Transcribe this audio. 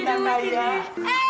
kita kaya di rumah gini